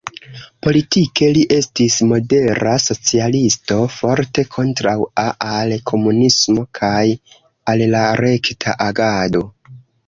Politike li estis modera socialisto, forte kontraŭa al komunismo kaj al la rekta agado.